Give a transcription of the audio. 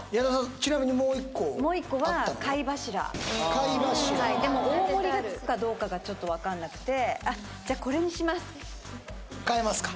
ちなみにもう一個もう一個は貝柱貝柱でも大盛がつくかどうかがちょっと分かんなくてあっじゃあこれにします変えますか？